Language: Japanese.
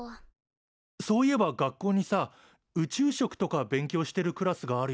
そういえば学校にさ宇宙食とか勉強してるクラスがあるよね？